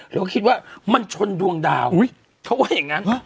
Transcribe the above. แล้วก็คิดว่ามันชนดวงดาวเขาว่าอย่างนั้น